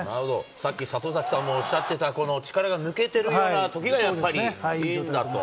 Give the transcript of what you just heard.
さっき、里崎さんもおっしゃっていたこの力が抜けてるようなときがやっぱりいいんだと。